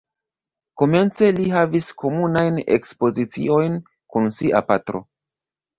Komence li havis komunajn ekspoziciojn kun sia patro.